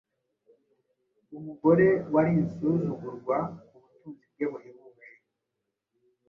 umugore wari insuzugurwa ku butunzi bwe buhebuje;